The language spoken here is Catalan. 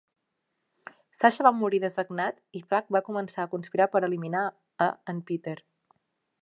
Sasha va morir dessagnat i Flagg va començar a conspirar per eliminar a en Peter.